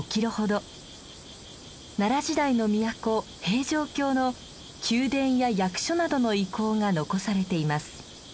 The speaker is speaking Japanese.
奈良時代の都平城京の宮殿や役所などの遺構が残されています。